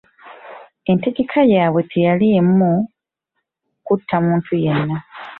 Entegeka yaabwe teyaliimu kutta muntu yenna.